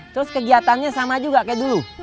terus kegiatannya sama juga kayak dulu